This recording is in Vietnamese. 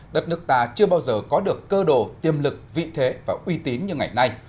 đất nước ta chưa bao giờ có được cơ đồ tiềm lực vị thế và uy tín như ngày nay